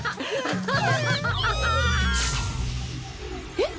えっ？